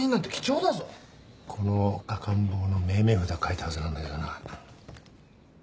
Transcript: この赤ん坊の命名札書いたはずなんだけどな。